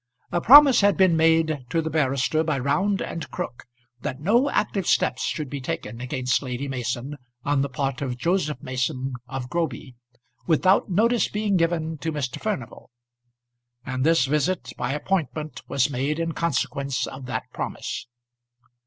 A promise had been made to the barrister by Round and Crook that no active steps should be taken against Lady Mason on the part of Joseph Mason of Groby, without notice being given to Mr. Furnival. And this visit by appointment was made in consequence of that promise.